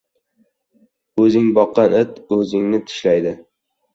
• O‘zing boqqan it o‘zingni tishlaydi.